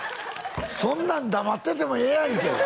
そんなん黙っててもええやんけ！